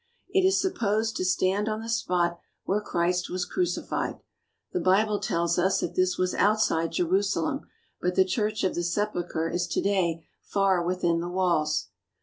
It is supposed to stand on the spot where Christ was crucified. The Bible tells us that this was outside Jerusalem, but the Church of the Sepulchre is to day far within the walls.